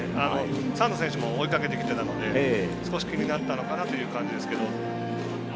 サンズ選手も追いかけてきてたので少し気になったのかなという感じですけど。